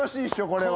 これは。